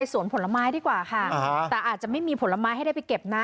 สวนผลไม้ดีกว่าค่ะแต่อาจจะไม่มีผลไม้ให้ได้ไปเก็บนะ